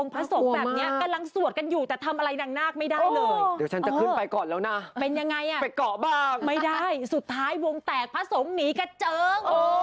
เป็นยังไงอ่ะไปเกาะบ้างไม่ได้สุดท้ายวงแตกพระสงค์หนีกระเจิงอ๋อ